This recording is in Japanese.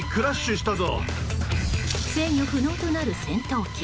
制御不能となる戦闘機。